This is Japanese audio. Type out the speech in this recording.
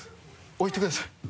置いてください。